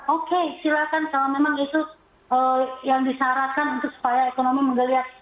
oke silakan kalau memang itu yang disarankan untuk supaya ekonomi menggeliat